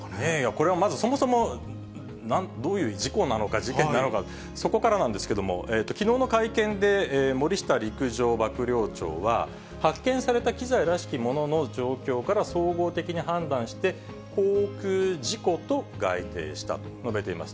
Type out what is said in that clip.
これはまず、そもそもどういう事故なのか、事件なのか、そこからなんですけれども、きのうの会見で、森下陸上幕僚長は、発見された機材らしきものの状況から総合的に判断して、航空事故と概定したと述べています。